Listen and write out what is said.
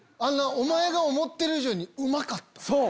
お前思ってる以上にうまかった。